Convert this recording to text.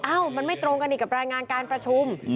มันไม่ตรงกันอีกกับรายงานการประชุม